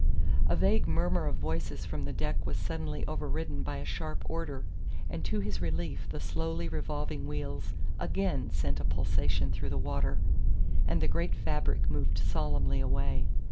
A vague murmur of voices from the deck was suddenly overridden by a sharp order, and to his relief the slowly revolving wheels again sent a pulsation through the water, and the great fabric moved solemnly away.